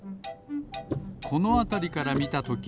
このあたりからみたとき